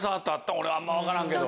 俺あんま分からんけど。